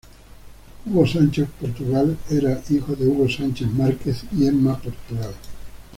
Hugo Sánchez Portugal era hijo de Hugo Sánchez Márquez y Emma Portugal.